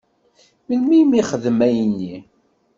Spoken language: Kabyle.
Melmi i m-yexdem ayenni?